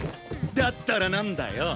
だったらなんだよ？